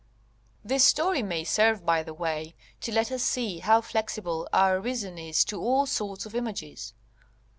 This story may serve, by the way, to let us see how flexible our reason is to all sorts of images.